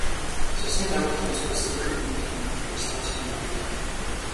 Шашны байгууллагын зүгээс нийгэм хүмүүнлэгийн үйл ажиллагаа зохион явуулах хэрэгтэй.